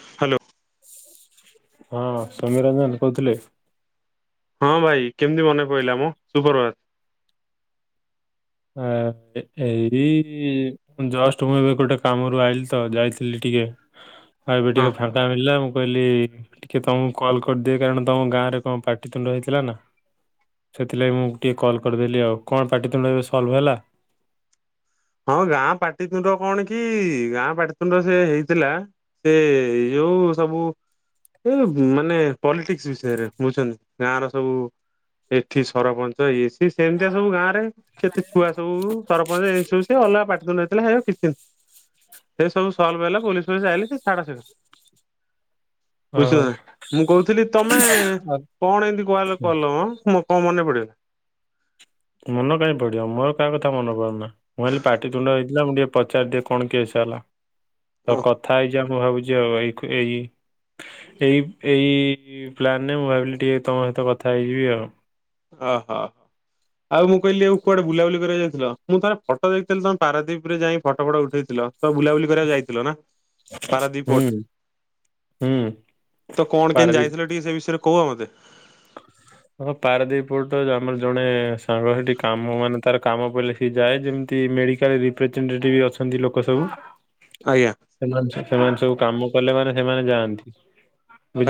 Hello. ହଁ ସମୀର ରଞ୍ଜନ କହୁଥିଲେ? ହଁ ଭାଇ କେମିତି ମନେ ପିଲା ମଁ ସୁପରବାର। ଏଇ ଜଷ୍ଟ ମୁଁ ଏବେ ଗୋଟେ କାମରୁ ଆଇଲିି ତ ଯାଇଥିଲି ଟିକେ ଟିକେ ଆଉ ଏବେ ହଁ ଟିକେ ଫାଙ୍କା ମିଳିଲା। କହିଲି ଟିକେ ତମକୁ କଲ୍ କରିଦିଏ କାରଣ ତମ ଗାଁ ର କଣ ପାଟିତୁଣ୍ଡ ହେଇଥିଲା ନା। ସେଥିଲାଗି ମୁଁ ଟିକେ କଲ୍ କରିଦେଲି ଆଉ କଣ ପାଟିଥିଲଥିଲୁ ଏବେ ସଲଭ ହେଲା? ହଁ ଗାଁ ପାଟିତୁଣ୍ଡ କଣ କି ଗାଁ ପାଟିତୁଣ୍ଡ ସେ ହେଇଥିଲା ସେ ଯଉ ସବୁ ଏ ମାନେ ପଲିଟିକ୍ସ ବିଷୟରେ ବୁଝୁଛନ୍ତି ଗାଁ ର ସବୁ ଏଠି ସରପଞ୍ଚ ଇଏ ସି ସେମିତିଆ ସବୁ ଗାଁ ରେ କେତେ ଛୁଆ ସବୁ ସରପଞ୍ଚ ଏ ସବୁ। ସେ ଅଲଗା ପାଟିତୁଣ୍ଡ ହୋଇଥିଲା ହେରା କିଛି ନୁହେଁ ହେରା ସବୁସଲଫ ହେଲା। ଯାଇଁଲେ ତ ଚାଡ଼ ଶେରା। ହଁ ବୁଝଲ ମୁଁ କହୁଥିଲି ତମେ ଆଉ କଣ ଏମତି କୁଆବ ଲକଲ ମ? କଣ ମନେ ପଡ଼ଗଲା ମନ କାଇହିଁ ପଡିବ ମୋର କାହା କଥା ମନ ପଡୁନା ମୁଁ ହେଲି ପାଟି ତୁଣ୍ଡ ହେଇଥିଲା ମୁଁ ଟିକେ ପଚାରିଦିଏ କଣ କେସେହେଲା। ତ କଥା ହେଇଯା ମୁଁ ଭାବୁଛି ଆଉ ଏଇ ଏଇ ଏଇ ଏଇ ପ୍ଲାନରେ ମୁଁ ଭାବିଲି ଟିକେ ତମ ସହିତ କଥା ହେଇଯିବି ଆଉ। ଓହୋ ହୋ ଆଉ ମୁଁ କହିଲି କୁଆଡେ ବୁଲାବୁଲି କରିବାାଉ ମୁଁ ଥର ଫଟୋ ଦେଖଥିଲି ତମେ ପାରାଦୀପରେ ଯାଇ ଫୋ ଫଟ ଉଠେଇଥିଲ। ତ ବୁଲାବୁଲି କରିବାକୁ ଯାଇଥିଲ ନା ହୁଁ ପାରାଦୀପୋଟ। ହୁଁ ତ କଣ କେମତି ଯାଇଥିଲେ ଟିକେ ସେ ବିଷୟରେ କୁହ ମତେ। ହ ହଁ ପାରାଦ୍ୱୀପଟ ଆମର ଜଣେ ସାଙ୍ଗ ସେଠି କାମ ମାନେ ତାର କାମ ପଇଲେ ସି ଯାଏ ଯେମିତି ମେଡିକାଲ ରେ ରିପ୍ରେଜେଣ୍ଟ ଅଛନ୍ତି ସବୁ ଆଜ୍ଞା ସେମାନେ ସେମାନେ ସବୁ କାମ କଲେ ମାନେ ସେମାନେ ଯାଆନ୍ତି।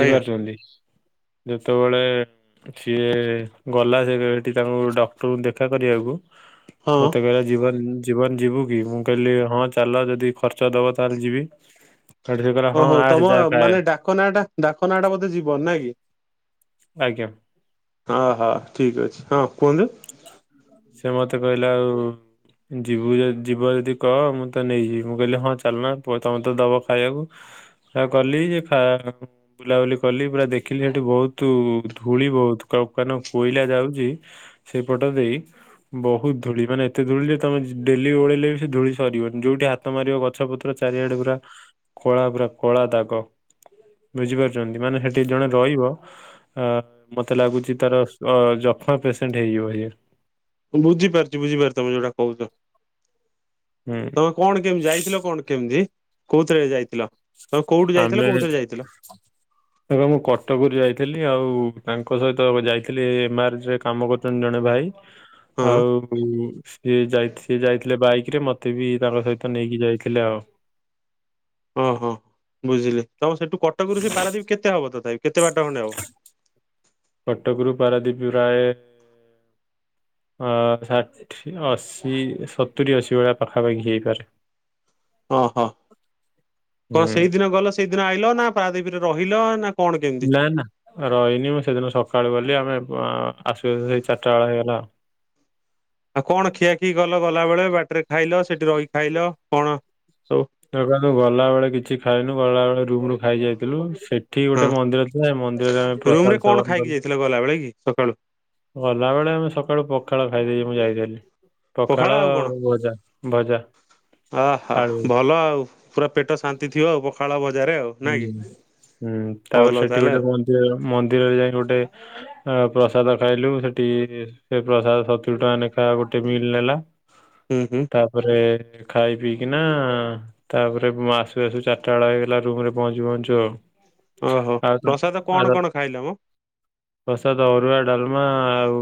ଆଜ୍ଞା ଯେତେବେଳେ ସିଏ ଗଲା ସେ ଏଠି ତାଙ୍କୁ ଡକ୍ଟରଙ୍କୁ ଦେଖା କରିବାକୁ ହଁ ମତେ କହିଲା ଜୀବନ ଜୀବନ ଯିବୁ କି ମୁଁ କହିଲି ହଁ ଚାଲ ଯଦି ଖର୍ଚ୍ଚ ଦେବ ତାହେଲେ ଯିବି। ସେଠୁ ସେ କହିଲା ହଁ ଓହୋ ଆସେ ତମ ଯା ଖାଏ ମାନେ ଡାକନା ଟା ଡାକନା ଟା ବୋଧେ ଜୀବନ ନାଇଁ କି। ଆଜ୍ଞା। ହଁ ହଁ ଠିକ୍ ଅଛି ହୋଉ। ସେ ମତେ କହିଲେ ଆଉ ଯିବୁ ଯିବ ଯଦି କହ ମୁଁ ତ ନେଇଯିବି। ମୁଁ କହିଲି ହଁ ଚାଲନା ତମେ ତ ଦବ ଖାଇବାକୁ। ଆ କଲି ଯୋ ବୁଲାବୁଲି କଲି ପୁରା ଦେଖିଲି ସେଠି ବହୁତ ଧୂଳି ବହୁତ। [unintelligible] କୋଇଲା ଯାଉଛି। ସେଇପଟା ଦେଇ ବହୁତ ଧୂଳି ମାନେ ଏତେ ଧୂଳି ଯେ ତମେ ଡେଲି ଓଳେଇଲେ ବି ସେ ଧୂଳି ସରିବନି। ଯୋଉଠି ହାତ ମାରିବ ଗଛ ପତ୍ର ଚାରିଆଡେ ପୁରା କଳା ପୁରା କଳା ଦାଗ। ବୁଝିପାରୁଛନ୍ତି। ମାନେ ସେଠି ଜଣେ ରହିବ ଆ ମତେ ଲାଗୁଛି ତାର ଅ ଜକ୍ଷ୍ମ ପେସେ ହେଇଯିବ ଇୟେ ବୁଝିପାରୁଚି ବୁଝିପାରୁି ତମେ ଯୋଉଟା କହୁଛ। ହୁଁ ତମେ କଣ କେମିତି ଯାଇଥିଲ କଣ କେମିତି କୋଉଥିରେ ଯାଇଥିଲ? ତମେ କୋଉଠୁ ଯାଇଥିଲ ଆମେ କୋଉଥିରେ ଯାଇଥିଲ? ଆ ମୁଁ କଟକରୁ ଯାଇଥିଲି ଆଉ ତାଙ୍କ ସହିତ ଯାଇଥିଲି ଏମାରେ କାମ କରୁଛନ୍ତି ଜଣେ ଭାଇ। ହଁ ଆଉ ସିଏ ଯାଇ ସି ଯାଇଥିଲେ ବାଇକ୍ ରେ ମତେ ବି ତାଙ୍କ ସହିତ ନେଇକି ଯାଇଥିଲେ ଆଉ। ଓହୋ ବୁଝିଲି ତମ ସେଠୁ କଟକରୁ ସେ ପାରଦବୀ କେତେ ହବ ତଥା ବି। କେତେ ବାଟ ଖଣ୍ଡେ ହବ। ବାରାଦୀପ ରାୟ ଅ ଷାଠିଏ ଅଶି ସତୁରି ଅଶି ଭଳିଆ ପାଖାପାଖି ହେଇପାରେ। ଓ ହୋ କଣ ହୁଁ। ସେଇଦିନ ଗଲ ସେଇଦିନ ଆଇଲ ନା ପାଦୀବୀରେ ରହିଲ ନା କଣ କେମିତି? ନା ନା ରହିନି ମୁଁ ସେଦିନ ସକାଳୁ ଗଲି ଆମେ ଆସ ସେଇ ଚାରିଟା ବେଳ ହେଇଗଲା ଆଉ। ଆଉ କଣ ଖିଆଖିଇ କଲ ଗଲାବେଳେ ବାଟରେ ଖାଇଲ ସେଠି ରହିି ଖାଇଲ କଣ ସବୁ ଗଲା ବେଳେ କିଛି ଖାଇନୁ ଗଲା ବେଳେ ରୁମ ରୁ ଖାଇ ଯାଇଥିଲୁ। ସେଠି ଗୋଟେ ହଁ ମନ୍ଦିର ଥିଲା ମନ୍ଦିରରେ ଆମେ ରୁମ ରେ ପ୍ରସାଦ କଣ ସେବନ ଖାଇକି କଲୁ। ଯାଇଥିଲ ଗଲା ବେଳେ କି ସକାଳୁ ଗଲାବେଳେ ଆମେ ସକାଳୁ ପଖାଳ ଖାଇଦେଇକି ମୁଁ ଯାଇଥିଲି ପଖାଳ ଆଉ କଣ? ଭଜା ଭଜା ଆହା ଆଳୁ ଭଲ ଆଉ ପୁରା ପେଟ ଶାନ୍ତି ଥିବ ଆଉ ପଖାଳ ବ ହୁଁ ହୁଁ ତାପରେ ଭଲ ସେଠି ତାହେଲେ ଗୋଟେ ଆଉ ମନ୍ଦିର ମନ୍ଦିରରେ ଯାଇକ ଗୋଟେ ଆ ପ୍ରସାଦ ଖାଇଲୁ ସେଠି ସେ ପ୍ରସାଦ ସତୁୁର ଟଙ୍କା ଲେଖା ଗୋଟେ ମିଲ୍ ନେଲା। ହୁଁ ହୁଁ ତାପରେ ଖାଇ ପିଇକି ନା ତାପରେ ଆସୁ ଆସୁ ଚାରିଟା ବେଳ ହେଇଗଲା ରୁମ୍ ରେ ପହଞ୍ଚୁ ପହଞ୍ଚୁ ଓହୋ ଆଉ ଆଉ ପ୍ରସାଦ କଣ [unintelligible] କଣ ଖାଇଲ ମ ପ୍ରସାଦ ଅରୁଆ ଡାଲ୍ ମା ଆଉ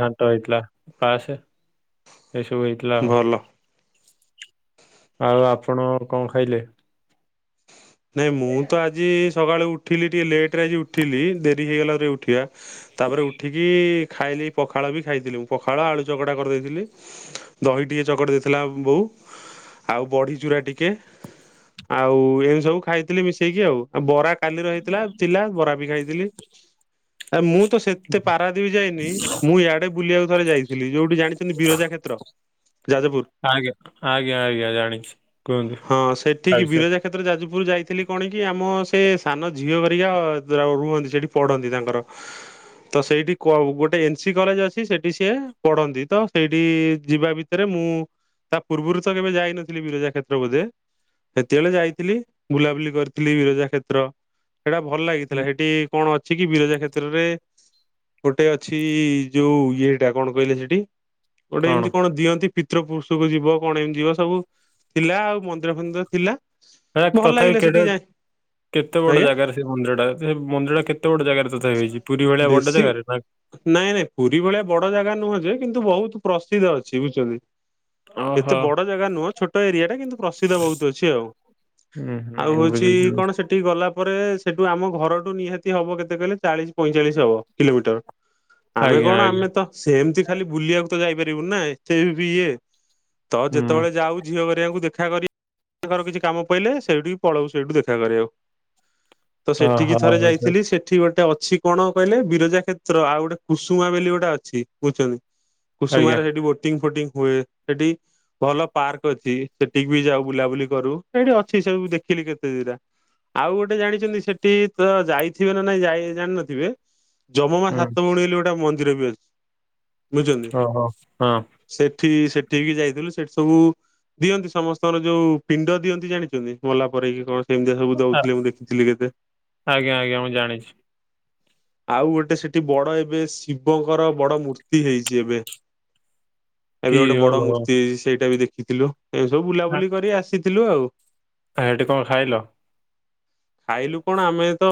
ଘାଣ୍ଟ ହେଇଥିଲା ପାସ। ଏ ସବୁ ହେଇଥିଲା ଆଉ। ଭଲ। ଆଉ ଆପଣ କଣ ଖାଇଲେ? ନାଇଁ ମୁଁ ତ ଆଜି ସକାଳୁ ଉଠିଲି ଟିକେ ଲେଟରେ ଆଜି ଉଠିଲି ଡେରି ହେଇଗଲା ପରେ ଉଠିବା ତାପରେ ଉଠିକି ଖାଇଲି ପଖାଳ ବି ଖାଇଥିଲି ମୁଁ ପଖାଳ ଆଳୁ ଚକଟା କରିଦେଇଥିଲି। ଦହି ଟିକେ ଚକଟ ଦେଇଥିଲା ବୋଉ। ଆଉ ବଢି ଚୁରା ଟିକେ ଆଉ ଏମିତି ସବୁ ଖାଇଥିଲି ମିଶେଇକି ଆଉଉ ବରା କାଲି ରହିଥିଲା ଥିଲା ବରା ବି ଖାଇଥିଲି। ଆ ମୁଁ ତ ସେତେ ପାରାଦ୍ବୀପ ଯାଇନି। ମୁଁ ଇଆଡେ ବୁଲିବାକୁ ଥରେ ଯାଇଥିଲି। ଯୋଉଠି ଜାଣିଛନ୍ତି ବିରଜା କ୍ଷେତ୍ର ଯାଜପୁର। ଆଜ୍ଞା ଆ ହଁ ସେଠିକି ବିଷୟରେ ବିରଜା କ୍ଷେତ୍ର ଯାଜପୁର ଯାଇଥିଲି କଣ କି? ଆମ ନେ ସାନ ଝିଅହରିକା ଅ ରୁହନ୍ତି ସେଠି ପଢନ୍ତି ତାଙ୍କର। ତ ସେଇଠି କୋ ଗୋଟେ ଏନ ସି କଲେଜ ଅଛି ସେଠି ସିଏ ପଢନ୍ତି। ତ ସେଇଠି ଯିବା ଭିତରେ ମୁଁ ତା ପୂର୍ବରୁ ତ କେବେ ଯାଇନଥିଲି ବିରଜା କ୍ଷେତ୍ର ବୋଧେ? ସେତେବେଳେ ଯାଇଥିଲି। ବୁଲାବୁଲି କରିଥିଲି ବିରଜା କ୍ଷେତ୍ର ହେଟା ଭଲ ଲାଗିଥିଲା ହେଟି କଣ ଅଛି କି ବିରଜା କ୍ଷେତ୍ରରେ ଗୋଟେ ଅଛି ଯୋଉ ଇଏଟା କଣ କହିଲେ ସେଠି। ଗୋଟେ ଏମିତି କଣ ଦିଅନ୍ତି ପି ପିତ୍ର ପୁରୁଷକୁ ଯିବ କଣ ଏମିତି ଯିବ ସବୁ ଥିଲା ଆଉ ମନ୍ଦିର ଫନ୍ଦିର ଥିଲା। ହେକ ଭଲ ତଥାପି ଲାଗିଲା କେଡେ ସେଠିକି ଯାଏ କେତେ ବଡ ଆଜ୍ଞା ଜାଗାରେ ସେ ମନ୍ଦିରଟା ସେ ମନ୍ଦିରଟା। କେତେ ବଡ ଜାଗାରେ ତଥାପି ହେଇଚି। ପୁରୀ ଭଳିଆ ବଡ ବେଶୀ ଜାଗାରେ ନା? ନାଇଁ ନାଇଁ ପୁରୀ ଭଳିଆ ବଡ ଜାଗା ନୁହଁ ଯେ କିନ୍ତୁ ବହୁତ ପ୍ରସିଦ୍ଧ ଅଛି ବୁଝୁଚନ୍ତି। ଓହୋ ଏତେ ବଡ ଜାଗା ନୁହଁ। ଛୋଟ ଏରିଆ ଟା କିନ୍ତୁ ପ୍ରସିଦ୍ଧ ବହୁତ ଅଛି ଆଉ। ହୁଁ ଆଉ ହୁଁ ହୋଉଛି ବୁଝୁଛି କଣ ବୁଝୁଛି। ସେଠିକି ଗଲା ପରେ ସେଠୁ ଆମ ଘରଠୁ ନିହାତି ହବ କେତେ କହିଲେ। ଚାଳିଶ ପଇଁଚାଳିଶ ହବ କିଲୋମିଟର। ଆମେ ଆଜ୍ଞା କଣ ଆଜ୍ଞା ଆମେ ତ ସେମତି ଖାଲି ବୁଲିଆକୁ ଯାଇପାରିବୁନି ନା ଏତେ ବି ଇଏ। ତ ହୁଁ ଯେତେବେଳେ ଯାଉ ଝିଅ ହେରିକାଙ୍କୁ ଦେଖା କରି ତାଙ୍କର କିଛି କାମ ପଇଲେ ସେଇଠିକି ପଳଉ ସେଇଠୁ ଦେଖା କରିବାକୁ। ତ ସେଠିକି ଓହୋ ଥରେ ଆଚ୍ଛା। ଯାଇଥିଲି ସେଠି ଗୋ ଗୋଟେ ଅଛି କଣ କହିଲ ବିରଜା କ୍ଷେତ୍ର ଆଉ ଗୋଟେ କୁସୁମା ବୋଲି ଗୋଟେ ଅଛି ବୁଝୁଚନ୍ତି। ଆଜ୍ଞା କୁସୁମାରେ ସେଇଠି ବୋଟିଂ ଫୋଟିଂ ହୁଏ ସେଠି ଭଲ ପାର୍କ ଅଛି। ସେଠିକି ବି ଯାଉ ବୁଲାବୁଲି କରୁ। ସେଇଠି ଅଛି ସବୁ ଦେଖିଲି କେତେ ଦିରା। ଆଉ ଗୋଟେ ଜାଣିଚନ୍ତି। ସେଠି ତ ଯାଇଥିବେ ନା ନାଇଁ ଯା ଜାଣିିନଥିବେ। ଜମ ମା ହୁଁ ସାତ ଭଉଣୀ ବୋଲି ଗୋଟେ ମନ୍ଦିର ବି ଅଛି। ଓ ହୋ ହଁ। ଏଠି ସେଠିକି ଯାଇଥିଲୁ ସେଠି ସବୁ ଦିଅନ୍ତି। ସମସ୍ତଙ୍କର ଯୋଉ ପିଣ୍ଡ ଦିଅନ ଜାଣିଛନ୍ତି ମଲା ପରେକି କଣ? ପିନଡ ସବୁ ଆ- ଦଉଥିଲେ ମୁଁ ଦେଖିଥିଲି କେତେ? ଆଜ୍ଞା ଆଜ୍ଞା ମୁଁ ଜାଣିଛି ଆଉ ଗୋଟେ ସେଠି ବଡ ଏବେ ଶିବଙ୍କର ବଡ ମୂର୍ତ୍ତି ହେଇଚି ଏବେ। ଏବେ କି ଗୋଟେ ବଡ ଓହୋ ମୂର୍ତ୍ତି ହେଇଚି। ସେଇଟା ବି ଦେଖିଥିଲୁ ଏଇ ସବୁ ବୁଲାବୁଲି କରିକି ଆସିଥିଲୁ ଆଉ। ଆଉ ହେଟି କଣ ଖାଇଲ। ଖାଇଲୁ କଣ? ଆମେ ତ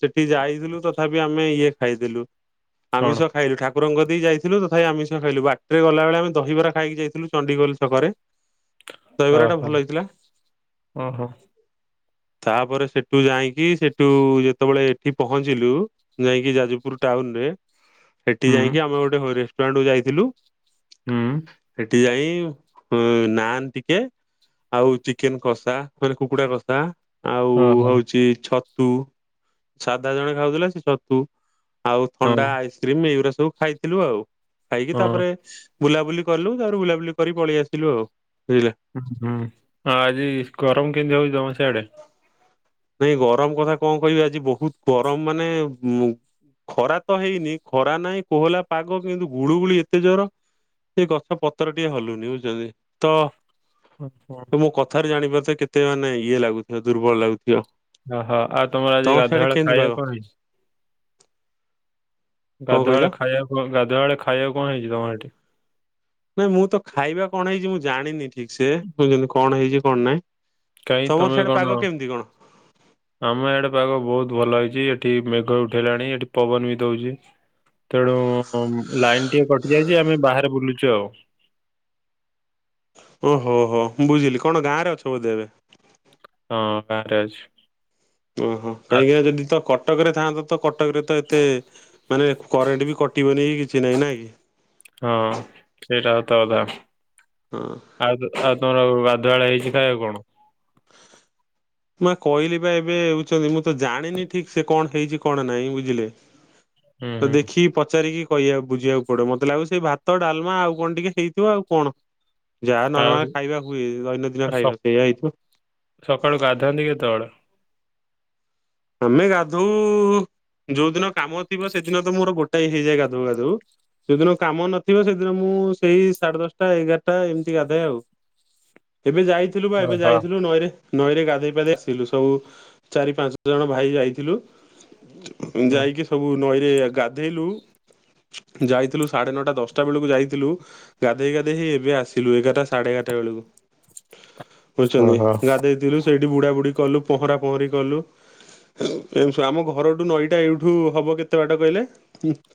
ସେଠି ଯାଇଥିଲୁ ତଥାପି ଆମେ ଇଏ ଖାଇଥିଲୁ। କଣ ଆମିଷ ଖାଇଲୁ ଠାକୁ ରଙ୍କ କତିକି ଯାଇଥିଲୁ ତଥାପି ଆମିଷ ଖାଇଲୁ। ବାଟିରେ ଗଲାବେଳେ ଆମେ ଦହିବରା ଖାଇକି ଯାଇଥିଲୁ ଚଣ୍ଡିଖୋଲ ଛକରେ। ଦହିବରା ଟା ଭଲ ହେଇଥିଲା। ଓ ହୋ। ତାପରେ ସେଟୁ ଯାଇଁକି ସେଟୁ ଯେତେବେଳେ ଏଠି ପହଞ୍ଚିଲୁ ଯାଇଁକି ଯାଜପୁର ଟାଉନ ରେ। ହେଟି ହୁଁ ଯାଇକି ଆମେ ଗୋଟେ ହୋ ରେଷ୍ଟୁରାଣ୍ଟ କୁ ଯାଇଥିଲୁ। ହୁଁ ହେଟି ଯାଇ ହୁଁ ନାନ୍ ଟିକେ ଆଉ ଚିକେନ କଷା ମାନେ କୁକୁଡା କଷା। ଆଉ ଓହୋ ହଉଚି ଛତୁ ସାଧା ଜଣେ ଖାଉଥିଲା। ସେ ଛତୁ ଆଉ ହଁ ହଁ ଥଣ୍ଡା ଆଇସ୍କ୍ରିମ ଏଉରା ସବୁ ଖାଇଥିଲୁ ଆଉ। ଖାଇକି ହୁଁ ତାପରେ ବୁଲାବୁଲି କଲୁ ତାପରେ ବୁଲାବୁଲି କରି ପଳେଇ ଆସିଲୁ ଆଉ। ବୁଝିଲେ ଉଁ ହୁଁ ଆଜି ଗରମ କେମିତି ହଉଚି ତମ ସେଆଡେ। ଭାଇ ଗରମ କଥା କଣ କହିବି। ଆଜି ବହୁତ ଗରମ ମାନେ ଉ ଖରା ତ ହେଇନି ଖରା ନାଇଁ କୋହଲା ପାଗ କିନ୍ତୁ ଗୁଳୁ ଗୁଳି ଏତେ ଜୋର। ସେଇ ଗଛ ପତ୍ର ଟିକେ ହଲୁନି ବୁଝଛନ୍ତି ତ ଆଚ୍ଛା। ତ ମୋ କଥାରେ ଜାଣି ପାରୁଥିବେ କେତେ ମାନେ ଇଏ ଲାଗୁଥିବ ଦୁର୍ବଳ ଲାଗୁ ହଁ ହଁ ଆଉ ତମର ଆଜି ଗାଧୁଆଳ କେମିତି ଖାଇବା ପାଗ କଣ ହେଇଚି? କଣ କହିଲ? ଗାଧୁଆଳ ଖାଇବାକୁ ଗାଧୁଆଳ ଖାଇବାକୁ କଣ ହେଇଛି ତମର ଏଠି? ନାଇଁ ମୁଁ ତ ଖାଇବା କଣ ହେଇଛି ମୁଁ ଜାଣିନି ଠିକସେ କହୁଛନ୍ତି କଣ ହେଇଛି କଣ ନାଇଁ କାହିଁ ତମର ତମେ ସିଆଡେ କଣ ପାଗ କେମିତି କଣ? ଆମ ଆଡେ ପାଗ ବହୁତ ଭଲ ହେଇ ଏଠି ମେଘ ଉଠେଇଲାଣି ଏଠି ପବନ ବି ଦଉଛି ତେଣୁ ଲାଇନ ଟିକେ କଟି ଯାଇଛି ଆମେ ବାହାରେ ବୁଲୁଛୁ ଆଉ। ଓହୋ ହୋ ବୁଝିଲି କଣ ଗାଁରେ ଅଛ ବୋଧେ ଏବେ? ହଁ ଗାଁରେ ଅଛି। ଓହୋ କାହିଁକିନା ଯଦି ତ କଟକରେ ଥାଆନ୍ତ ତ କଟକରେ ତ ଏତେ ମାନେ କରେଣ୍ଟ ବି କଟିବନି କିଛି ନାଇଁ ନା କି? ହଁ। ସେଇଟା ସତ କଥା ହଁ ଆଉ ଆଉ ତମର ଗାଧୁଆଳ ହେଇଛି ନା ଆଉ କଣ? ମା କହିଲିବା ଏବେ ହେଉଛନ୍ତି ମୁଁ ତ ଜାଣିନି ଠିକସେ କଣ ହେଇଛି କଣ ନାହିଁ ବୁଝିଲେ। ହୁଁ ତ ହୁଁ ଦେଖିକି ପଚାରିକି କହିବାକୁ ବୁଝିବାକୁ ପଡିବ ମତେ ଲାଗୁଚି ସେଇ ଭାତ ଡାଲମା ଆଉ କଣ ଟିକେ ହେଇଥିବ ଆଉ କଣ। ଯାହା ଆଉ ନର୍ମାଲ ଖାଇବା ହୁଏ ଦୈନ ଦିନ ସ ଖାଇବା ସେଇଆ ହେଇଥିବ। ଦଳ ଆମେ ଗାଧଉ ଯୋଉ ଦିନ କାମ ଥିବ ସେଦିନ ତ ମୋର ଗୋଟାଏ ହେଇଯାଏ ଗାଧଉ ଗାଧଉ। ଯୋଉଦିନ କାମ ନଥିବ ସେଦିନ ମୁଁ ସେଇ ସାଢେ ଦଶଟା ଏଗାରଟା ଏମିତି ଗାଧାଏ ଆଉ। ଏବେ ଯାଇଥିଲୁ ବା ଏବେ ଓହୋ ଯାଇଥିଲୁ ନଈରେ ନଈରେ ଗାଧେଇ ପାଧେଇ ଆସିଲୁ ସବୁ ଚାରି ପାଞ୍ଚ ଜଣ ଭାଇ ଯାଇଥିଲୁ ହୁଁ। ଯାଇକି ସବୁ ନଈରେ ଗାଧେଇଲୁ। ଯାଇଥିଲୁ ସାଢେ ନଅଟା ଦଶଟା ବେଳକୁ ଯାଇଥିଲୁ ଗାଧେଇ ଗାଧେଇ ହେଇ ଏବେ ଆସିଲୁ ଏଗା ଗା ସାଢ଼େ ଏଗାରଟା ବେଳକୁ ବୁଝଛନ୍ତି ଓହୋ ଗାଧେଇଥିଲୁ ସେଇଠି ବୁଡାବୁଡ଼ି କଲୁ ପହଁରା ପହଁରି କଲୁ। ଆମ ଘରଠୁ ନଈଟା ଏଇଠୁ ହବ କେତେ ବାଟ କହିଲେ?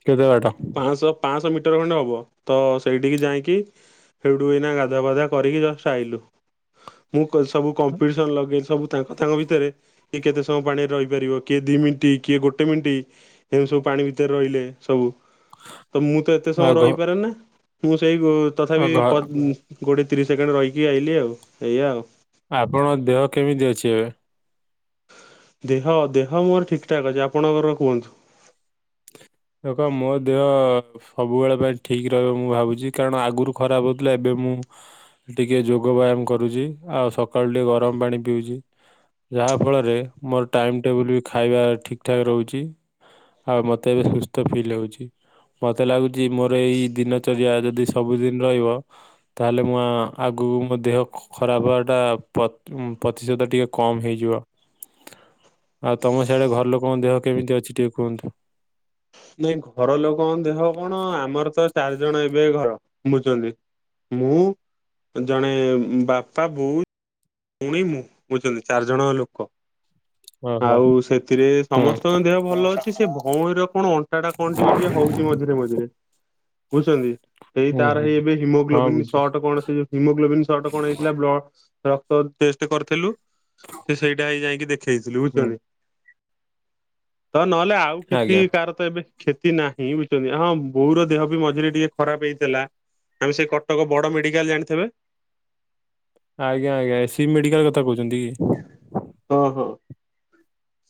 କେତେ ବାଟ? ପାଞ୍ଚଶହ ପାଞ୍ଚଶହ ମିଟର ଖଣ୍ଡେ ହବ ତ ସେଇଠିକି ଯାଇକି ସେଡୁ ଏଇନା ଗାଧା ପାଧୁଆ କରିକି ଜଷ୍ଟ ଆଇଲୁ। ମୁଁ ସବୁ କମ୍ପିଟିସନ ଲଗେଇ ସବୁ ତାଙ୍କ ତାଙ୍କ ଭିତରେ କିଏ କେତେ ସ ପାଣିରେ ରହିପାରିବ କିଏ ଦି ମିନିଟ୍ କିଏ ଗୋଟେ ମିନିଟ୍ ଏମିତି ସବୁ ପାଣି ଭିତରେ ରହିଲେ ସବୁ। ତ ମୁଁ ତ ଏତେ ସମୟ ଆଉ ଘ ରହିପାରେନା ମୁଁ ସେଇ ଆଉ ତଥାପି ଘ ପ କୋ ତିରିଶ ସେକେଣ୍ଡ ରହିକି ଆଇଲିି ଆଉ ଏଇଆ ଆଉ। ଆପଣଙ୍କ ଦେହ କେମିତି ଅଛି ଏବେ? ଦେହ ଦେହ ମୋର ଠିକଠାକ୍ ଅଛି ଆପଣଙ୍କର କୁହନ୍ତୁ? ଦେଖ ମୋ ଦେହ ସବୁବେଳେ ପାଇଁ ଠିକ ରହିବ ମୁଁ ଭାବୁଛି କାରଣ ଆଗରୁ ଖରାପ ହଉଥିଲା ଏବେ ମୁଁ ଟିକେ ଯୋଗ ବ୍ୟାୟାମ କରୁଛି ଆଉ ସକାଳୁ ଟିକେ ଗରମ ପାଣି ପିଉଛି। ଯାହା ଫଳରେ ମୋର ଟାଇମ ଟେବୁଲ ବି ଖାଇବା ଠିକଠାକ ରହୁଛି। ଆଉ ମତେ ଏବେ ସୁସ୍ଥ ଫିଲ୍ ହଉଛି। ମତେ ଲାଗୁଛି ମୋର ଏଇ ଦିନଚଯ୍ୟା ଯଦି ସବୁଦିନ ରହିବ ତାହେଲେ ମୁଁ ଆଗ ମୋ ଦେହ ଖରାପ ହେବାଟା ପ-ପ୍ରତିଶତ ଟିକେ କମ ହେଇଯିବ। ଆଉ ତମ ସିଆଡେ ଘର ଲୋକଙ୍କ ଦେହ କେମିତି ଅଛି ଟିକେ କୁହନ୍ତୁ? ନାଇଁ ଘର ଲୋକ ଦେହ କଣ ଆମର ତ ଚାରି ଜଣ ଏବେ ଘର ବୁଝଛନ୍ତି ମୁଁ ଜଣେ ବାପା ବୋଉ। ପୁଣି ମୁଁ ବୁଝୁଚନ୍ତି ଚାରି ଜଣ ଲୋକ। ହଁ। ଓହୋ ଆଉ ସେଥିରେ ହଁ ସମସ୍ତଙ୍କ ଦେହ ଭଲ ଅଛି ସେ ଭଉଣୀର କଣ ଅଣ୍ଟାଟା କଣ ଟିକେ ଟିକେ ହଉଛି ମଝିରେ [unintelligible] [inaudible] ବୁଝୁଛନ୍ତି। ସେଇ ହୁଁ ତାର ହୁଁ। ହେଇ ଏବେ ହଁ ହିମୋଗ୍ଲୋବିନ୍ ବୁଝୁଛି ସର୍ଟ କଣ ସେଜଉ ହିମୋଗ୍ଲୋବି ନ୍ ସର୍ଟ କଣ ହେଇଥିଲା ବ୍ଲ ତ ଟେଷ୍ଟ କରିଥିଲୁ ସେ ସେଇଟା ହେଇ ଯାଇକି ଦେଖେଇଥିଲୁ ହୁଁ ବୁଝିପାରିଲୁକି। ତ ନହେଲେ ଆଉ କିଛି ଆଜ୍ଞା କାର ତ ଏବେ କ୍ଷତି ନାହିଁ ବୁଝିଛନ୍ତି ହଁ ବୋଉର ଦେହ ବି ମଝିରେ ଟିକେ ଖରାପ ହେଇଥିଲା। ଆମେ ସେ କଟକ ବଡ ମେଡିକାଲ ଜାଣିଥେବେ। ଆଜ୍ଞା ଆଜ୍ଞା ଏ ସି ବି ମେଡିକାଲ କଥା କହୁଛନ୍ତି କି? ହଁ ହଁ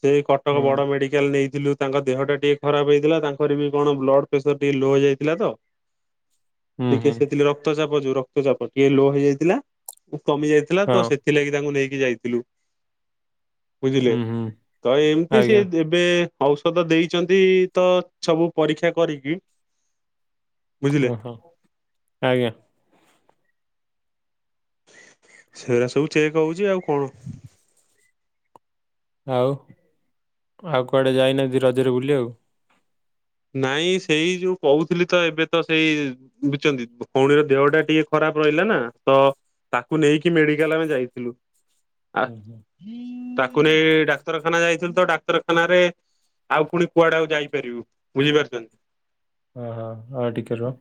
ସେ କଟକ ହୁଁ ବଡ ମେଡିକାଲ ନେଇଥିଲୁ। ତାଙ୍କ ଦେହ ଟା ଟିକେ ଖରାପ ହେଇଥିଲା ତାଙ୍କର ବି କଣ ବ୍ଲଡ ପ୍ରେସର ଟିକେ ଲୋ ହେଇ ଯାଇଥିଲା ତ। ହୁଁ ଟିକେ ହୁଁ ସେଥି ରକ୍ତ ଚାାପ ଯୋଉ ରକ୍ତ ଚାାପ ଟିକେ ଲୋ ହେଇଯାଇଥିଲା। କମି ଯାଇଥିଲା ତ ହଁ ସେଥିଲାଗି ତାଙ୍କୁ ନେଇକି ଯାଇଥିଲୁ। ବୁଝିଲେ ହୁଁ ହୁଁ ତ ଏମିତି ସିଏ ଆଜ୍ଞା ଏବେ ଔଷଧ ଦେଇଛନ୍ତି ତ ସବୁ ପରୀକ୍ଷା କରିକି। ବୁଝିଲେ ଓହୋ ଆ ଆଜ୍ଞା। ସେରା ସବୁ ଚେକ ହଉଛି ଆଉ କଣ। ଆଉ ଆଉ କୁଆଡେ ଯାଇନାହାନ୍ତି ରଜରେ ବୁଲିଆକୁ। ନାଇଁ ସେଇ ଯୋଉ କହୁଥିଲି ତ ଏବେ ତ ସେଇ ବୁଝିଛନ୍ତି ଭଉଣୀର ଦେହ ଟା ଟିକେ ଖରାପ। ପ ରହିଲା ନା ତ ତାକୁ ନେଇକି ମେଡିକାଲ ଆମେ ଯାଇଥିଲୁ। ଆ ଓହୋ ତାକୁ ନେଇ ଡାକ୍ତରଖାନା ଯାଇ ଡାକ୍ତରଖାନ ରେ ଆଉ ପୁଣି କୁଆଡେଆଉ ଯାଇପାରିବୁ ବୁଝିପାରୁଛନ୍ତି, ହଁ ହଁ ଆ ଟିକେ ରୁହ।